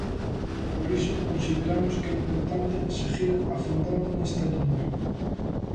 Por iso consideramos que é importante seguir afondando nesta liña.